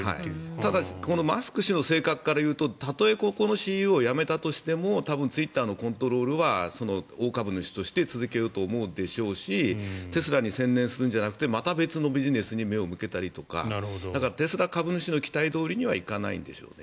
ただこのマスク氏の性格からいうとたとえここのＣＥＯを辞めたとしても多分ツイッターのコントロールは大株主として続けると思うでしょうしテスラに専念するんじゃなくてまた別のビジネスに目を向けたりとかだからテスラ株主の期待どおりにはいかないでしょうね。